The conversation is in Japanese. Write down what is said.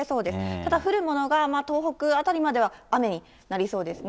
ただ降るものが東北辺りまでは雨になりそうですね。